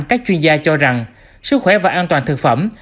các chuyên gia cho rằng sức khỏe và an toàn thực phẩm